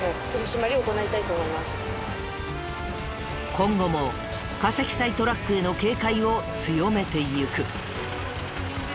今度も過積載トラックへの警戒を強めていく。